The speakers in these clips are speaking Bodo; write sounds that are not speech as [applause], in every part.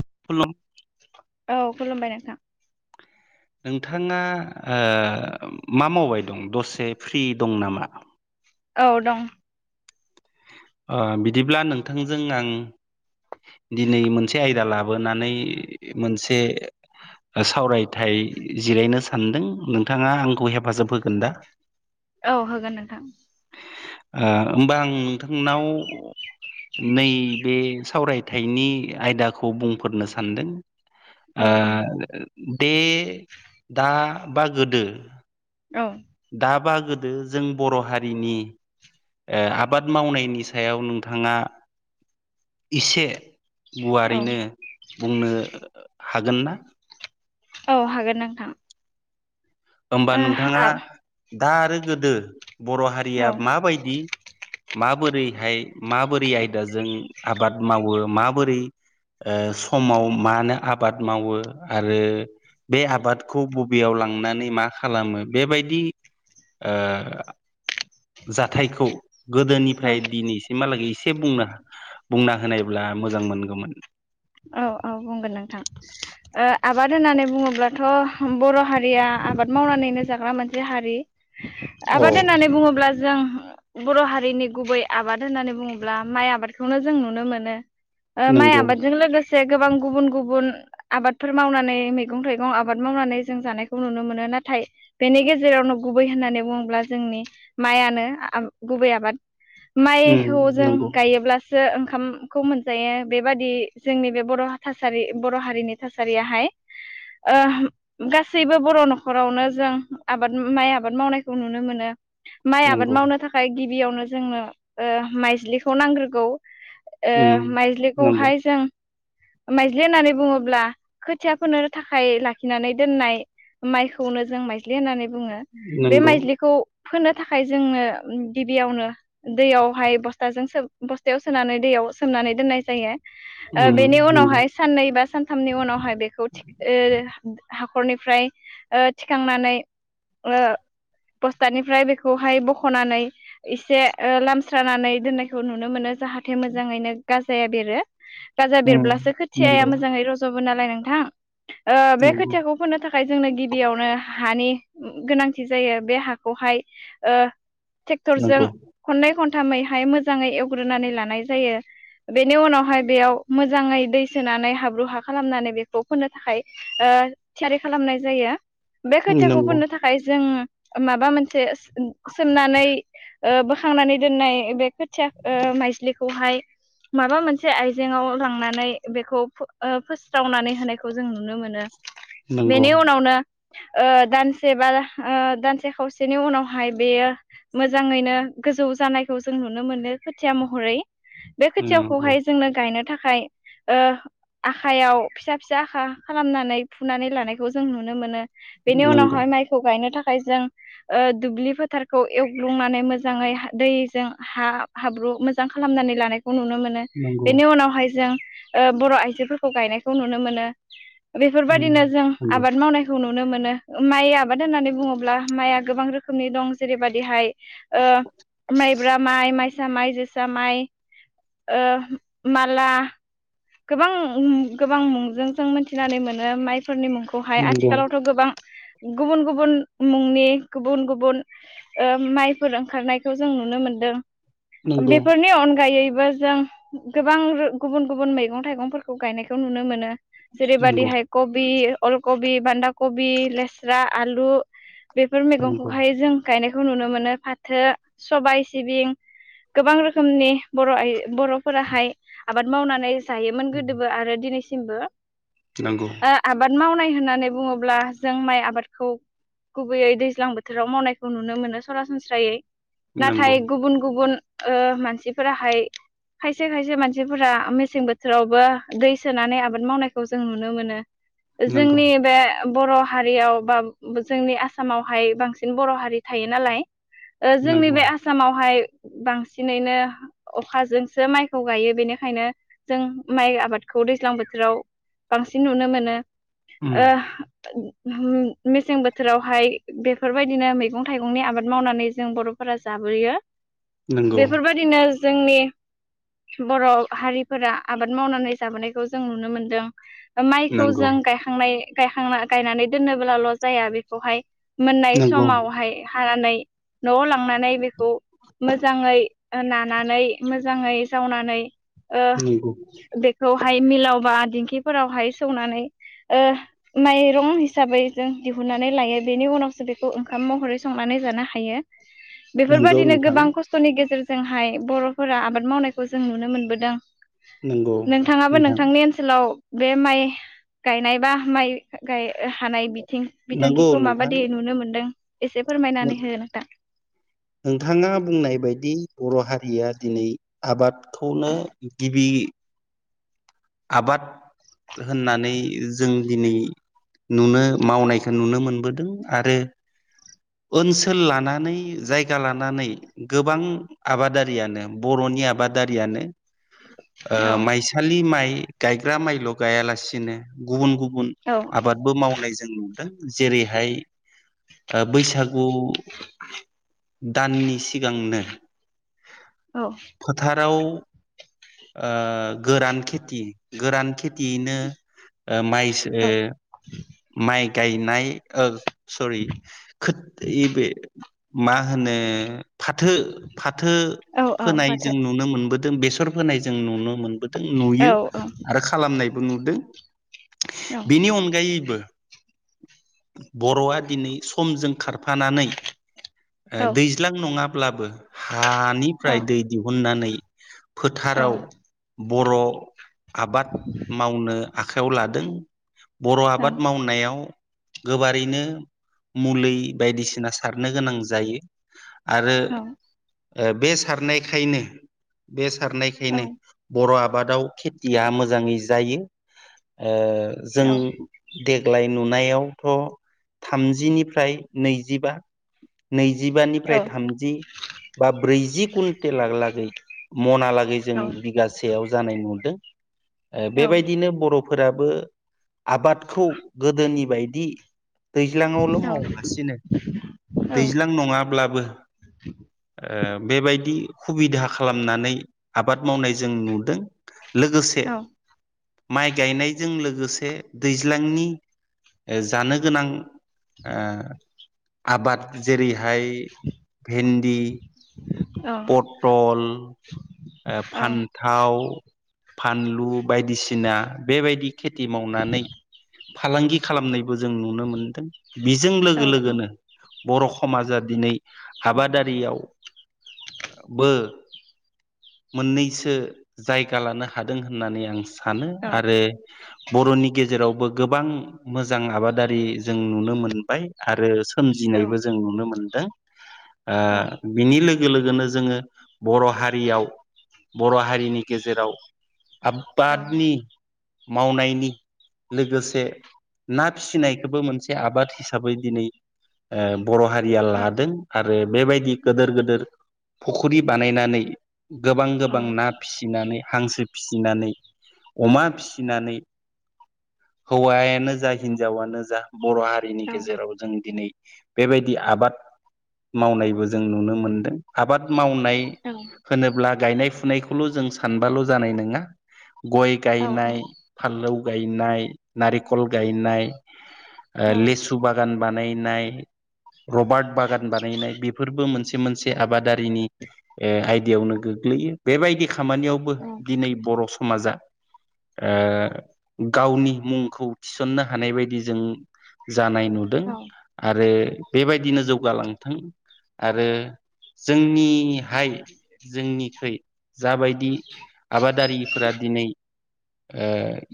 [inaudible] औ खुलुमबाय नोंथां। नोंथाङा मा मावबाय दं दसे फ्रि दं नामा? औ दं। बिदिब्ला नोंथांजों आं दिनै मोनसे आयदा लाबोनानै मोनसे - सावरायथाय जिरायनो सानदों नोंथाङा आंखौ हेफाजाब होगोन दा। औ होगोन नोंथां। ओं होनबा आं नोंथांनाव। नै बेे सावरायथायनि आयदाखौ बुंफोरनो सानदों। औ औ दे दा बा गोदो। औ दाबा गोदो जों बर' हारिनि आबाद मावनायनि सायाव नोंथाङा इसे औ गुवारैनो बुंनो हागोनना। औ हागोन नोंथां‌। होमबा नोंथाङा दा आरो गोदो बर' हारिया औ माबायदि माबोरै बेहाय माबोरै आयदाजों आबाद मावो माबोरै अ समाव मानो आबाद मावो आरो बे आबादखौ बबेयाव लांनानै मा खालामो बेबायदि ओ जाथायखौ गोदोनिफ्राय दिनैसिमहालागै एसे बुंनो बुंना होनायब्ला मोजां मोनगौमोन। औ औ बुंगोन नोंथां। ओ आबाद होननानै बुङोब्लाथ' बर' हारिया आबाद मावनानैनो जाग्रा मोनसे हारि। औ आबाद होननानै बुङोब्ला जों बर' हारिनि गुबै आबाद होननानै बुङोब्ला माइ आबादखौनो जों नुनो मोनो। ओ माइ नंगौ आबादजों लोगो से गोबां गुबुन गुबुन आबादफोर मावनानै मैगं थाइगं आबाद मावनानै जों जानायखौ नुनो मोनो। नाथाय बेनि गेजेरावनो गुबै होननानै बुङोब्ला जोंनि माइयानो गुबै आबाद। उम माइखौ जों नंगौ गायोब्लासो ओंखामखौ मोनजायो बेबादि जोंनि बे बर' थासारि बर' हारिनि थासारियाहाय अ गासैबो बर' न'खरावनो जों आबाद माइ आबाद मावनायखौ नुनो मोनो। माइ आबाद नंगौ मावनो थाखाय गिबियावनो जोंनो अ माइज्लिखौ नांग्रोगौ। ओ उम नंगौ माइज्लिखौहाय जों माइज्लि होननानै बुङोब्ला खोथिया फोनो थाखाय लाखिनानै दोननाय माइखौनो जों माइज्लि होननानै बुङो बे नंगौ माइज्लिखौ फोनो थाखाय जोङो गिबियावनो दैयावहाय बस्थाजों सो बस्थायाव सोनानै दैयाव सोमनानै दोननाय जायो। उम अ बेनि नंगौ उनावहाय साननै बा सानथामनि उनावहाय बेखौ थिक ओ हाखरनिफ्राय अ थिखांनानै अ बस्टादनिफ्राय बेखौहाय बख'नानै एसे ओ लामस्रानानै दोननायखौ नुनो मोनो। जाहाथे मोजाङैनो गाजाया बेरो गाजा उम बेरब्लासो खोथियाया नंगौ मोजाङै रज' गोन नालाय नोंथां अ बे नंगौ खोथियाखौ फोननो था खाय जोंनो गिबियावनो हानि गोनांथि जायो बे हाखौहाय ओ ट्रेक्टर जों नंगौ खननै खन थामैहाय मोजाङै एवग्रोनानै लानाय जायो बेनि उनावहाय बेयाव मोजाङै दै सोनानै हाब्रु हा खालामनानै बेखौ फोनो थाखाय ओ थियारि खालामनाय जायो। बे खोथिखौ फुनो थाखाय जों माबा मोनसे सोमनानै ओ बोखांनानै दोननाय बे खोथिया ओ माइजलिखौहाय माबा मोनसे आइजेंआव लांनानै बेखौ फो फोस्रावनानै होनायखौ जों नुनो मोनो। नंगौ बेनि उनावनो अ दानसे बा अ दानसे खावसेनि उनावहाय बेयो मोजाङैनो गोजौ जानायखौ जों नुनो मोनो खोथिया महरै बे नंगौ खोथियाखौहाय जोंनो गायनो थाखाय खाय अ आखायाव फिसा फिसा आखा खालामनानै फुनानै लानायखौ जों नुनो मोनो। बेनि नंगौ उनावहाय माइखौ गायनो थाख खाय जों दुब्लि फोथारखौ एवग्लुंनानै मोजाङै दैजों हा हाब्रु ब्रु मोजां खालामनानै लानाय खौ नुनो मोनो नंगौ नंगौ बेनि उनावहाय जों अ बर' आइजोफोरखौ गायनायखौ नुनो मोनो। उम बेफोरबायदिनो जों आबाद मावनायखौ नुनो नो मोनो माइ आबाद होननानै बुङोब्ला माइया गोबां रोखोमनि दं जेरैबायदिहाय ओ माइब्रा माइ माइसा माइ जोसा माइ अ माला गोबां गोबां मुंजों जों मिथिनानै मोनो माइ फोरनि मुंखौहाय नंगौ आथिखालावथ' गोबां गुबुन गुबुन मुंनि गुबुन गुबुन ओ माइफोर ओंखारनायखौ जों नुनो मोनदों। नंगौ बेफोरनि अनगायैबो जों गोबां रो गुबुन गुबुन मै गं थाइगंफोरखौ गायनायखौ नुनो मोनो नंगौ जेरैबायदिहाय कबि। अलकबि बान्दा कबि लेस्रा आलु बेफोर नंगौ मैगंखौहाय जों गायनायखौ नुनो मोनो फाथो सबाय सिबिं गोबां रोखोमनि बर' आइ बर'फोराहाय आबाद मावनानै जायोमोन गोदोबो आरो दिनैसिमबो नंगौ नंगौ ओ आबाद मावनाय होननानै बुङोब्ला जों माइ आबादखौ। गुबैयै दैज्लां बोथोराव मावनायखौ नुनो मोनो सरासनस्रायै नाथाय नंगौ गुबुन गुबुन ओ मानसिफोराहाय खायसे खायसे मानसिफोरा मेसें बोथ थोरावबो दै सोनानै आबाद मावनायखौ जों नुनो मोनो नंगौ जोंनि बे बर' हारियाव बा जोंनि आसामावहाय बांसिन बर' हारि थायो नालाय ओ जोंनि नंगौ बे आसामावहाय बांसिनैनो अखाजोंसो माइखौ गायो बेनिखायनो जों माइ आबादखौ दैज्लां बोथोराव बांसिन नुनो मोनो उम ओ [unintelligible] मेसें बोथोरावहाय बेफोरबायदिनो मैगं थाइगंनि आबाद मावनानै जों बर'फो फोरा जाबोयो नंगौ बेफोरबायदिनो जोंनि बर' हारि फोरा आबाद मावनानै जाबोनायखौ जों नुनो मोनदों माइखौ नंगौ जों गायखांनाय गायखांना गायनानै दोननोब्लाल' जाया बेखौहाय मोननाय नंगौ समावहाय हानानै न'आव लांनानै बेखौ मोजाङै नानानै मोजाङै जावनानै। ओ नंगौ बेखौहाय मिलावबा दिंख फोरावहाय सौनानै ओ माइरं हिसाबै जों दिहुननानै लायो बेनि उनाव। सो बेखौ ओंखाम महरै संनानै जानो हायो नंगौ बेफोरबादिनो नोंथां गोबां खस्थ'नि गेजेरजों। जोंहाय बर'फोरा आबाद मावनायखौ जों नुनो मोनबोदों। नंगौ नोंथाङाबो नोंथां नोंथांनि ओनसोलाव। बे माइ गायनाय बा माइ गाय हानाय बि थिं नंगौ बिथांखिखौ नोंथां माबायि नुनो मोन्दों एसे फोरमायनानै हो नोंथां नोंथाङा बुंनाय बायदि बर' हारिया दिनै आबादखौनो गिबि। बि आबाद होननानै जों दिनै। नुनो मावनायखौ नुनो मोनबोदों आरो। ओनसोल लानानै जायगा लानानै गोबां आबादारियानो बर'नि। नि आबादारियानो। औ ओ माइसालि माइ गायग्रा माइल' गायालासिनो गुबुन गुब बुन औ आबादबो मावनाय जों नुदों जेरैहाय बैसागु। [inaudible] दाननि सिगांनो औ फ्राउ ओ गोरान खेथि गोरान खेथियैनो ओ माइस ओ औ माइ गायनाय ओ सरि खोथ यै बे मा होनो। फाथो फाथो औ औ फोनाय जों माथो नुनो मोनबोदों बेसर फोनाय जों नुनो मोन बोदों औ नुयो औ आरो खालामनायबो नुदों औ बेनि अनगायैबो बर'आ दिनै समजों खार। फानानै औ दैज्लां नङाब्लाबो। औ हानिफ्राय दै दिहुननानै औ फोथाराव। बर' आबाद मावनो आखायाव लादों बर' औ आबाद मावनायाव गोबारैनो। मुलि बायदिसिना सारनो गोनां जायो आरो। औ ओ बे सारनायखायनो बे औ सारनायखायनो बर' आ। आबादाव खेथिया मोजाङै जायो। ओ जों औ देग्लाय नुनायावथ' थामजिनि फ्राय नैजिबा। औ नैजिबानिफ्राय थामजि बा ब्रैजि कुन तेलाग लागै मनालागै जों बिगासेयाव जानाय नुदों। ओ बेबायदिनो बर'फोराबो आबादखौ गोदोनि बायदि दैज्लां आवल' मा वालासिनो दैज्लां नङाब्लाबो ओ बेबायदि खुबिदा खालामनानै आबाद मावनाय जों नुदों। लोगोसे माइ गायनायजों लोगोसे दैज्लांनि जानो गोनां ओ आबाद जेरैहाय भेन्दि, पटल ओ फान्थाव फानलु बायदिसिना बेबायदि खेथि मावनानै फालांगि खालामनाय जों नुनो मोनदों। बेजों लोगो लोगोनो बर' खमाजा दिनै हबादारियाव बो मोननैसो जायगा लानो हादों होननानै आं सा नो आरो बर'नि गेजेरावबो गोबां मोजां आबादारि जों नुनो मोनो मोनबाय आरो सोमजिनायबो जों नुनो मोनदों। ओ बिनि लोगो लोगोनो जोङो बर' हारियाव बर' हारिनि गेजेराव आबादनि मावनायनि लोगोसे ना फिसिनायखौबो मोनसे आबाद हिसाबै दिनै ओ बर' हारिया लादों। आरो बेबायदि गोदोर गोदोर फख्रि बानायनानै गोबां गोबां ना फिसिनानै हांसो फिसिनानै अमा फिसिनानै हौवायानो जा हिनजावानो जा बर' हारिनि गेजेराव जों दिनै बेबायदि आबाद मावनायबो जों नुनो मोनदों। आबाद मावनाय होनोब्ला गायनाय फुनायखौल' जों सानबाल' जानाय नोङा। गय गायनाय, फानलौ गायनाय, नारिखल गायनाय, ओ लेसु बागान बानायनाय रबार्ट बागान बानायनाय बेफोरबो मोनसे मोनसे आबादारिनि ए आय दायावनो गोग्लैयो। बेबायदि खामानियावबो दिनै बर' समाजा ओ गावनि मुंखौ थिस'ननो हानाय बायदि जों जानाय नुदों आरो बेबायदिनो जौगालांथों। आरो जोंनिहाय जोंनिखै जाबायदि आबादारिफोरा दिनै ए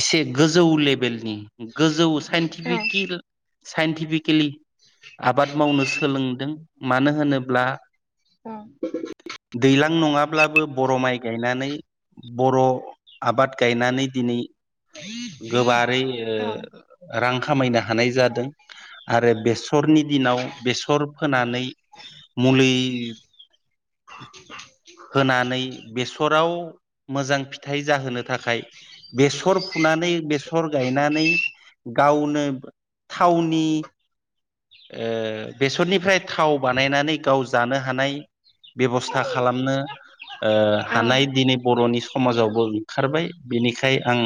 एसे गोजौ ले बेल गोजौनि साइनटिफिकेल साइटिफिकेलि आबाद मावनो सोलोंदों। मानो होनोब्ला औ। उ नङाब्लाबो बर' माइ गायनानै बर' आबाद गायनानै दिनै ऐ औ ओ रां खामायनो हानाय जादों। आरो बेसरनि दिनाव बेसर फोनानै मुलि होनानै बेसराव मोजां फिथाइ जाहोनो थाखाय बेसर फुनानै बेसर गायनानै गावनो थावनि ओ बेसरनिफ्राय थाव बानायनानै गाव जानो हानाय बेब'स्था खालामनो ओ औ हानाय दिनै बर'नि समाजावबो ओंखारबाय बिनि बेखाय आं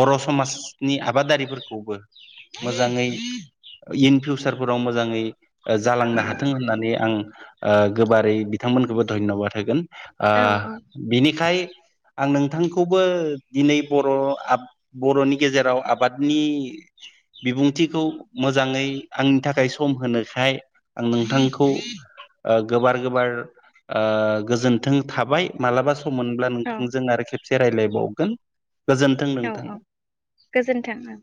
बर' समाजनि आबादारि फोरखौबो [unintelligible] इन फिउचार फोराव मोजाङै जालांनो हाथों होननानै आं गोबारै बिथांमोनखौबो धन्बाद होगोन आ औ बिनिखाय आं नोंथांखौबो दिनै बर' आब बर'नि गेजेराव आबादनि बिबुंथिखौ मोजाङै आंनि थाखाय सम होनोखाय आं नोंथांखौ गोबार गोबार ओ गोजोन्थों थाबाय मालाबा सम मोनब्ला औ नोंथांजों आरो खेबसे रायलाय बावगोन। गोजोन्थों औ नोंथां। औ गोजोन्थों